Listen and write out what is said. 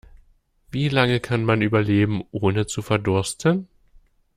Wie lange kann man überleben, ohne zu verdursten?